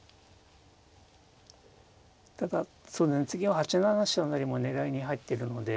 ただ次は８七飛車成も狙いに入ってるので。